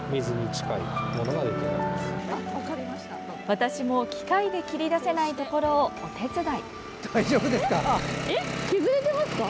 私も、機械で切り出せないところを、お手伝い。